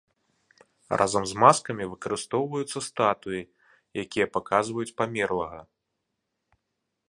Разам з маскамі выкарыстоўваюцца статуі, якія паказваюць памерлага.